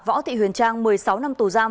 võ thị huyền trang một mươi sáu năm tù giam